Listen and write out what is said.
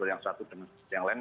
yang satu dengan yang lain